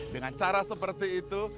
dengan cara seperti itu